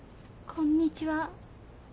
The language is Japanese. こんにちは。